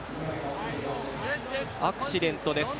アクシデントです。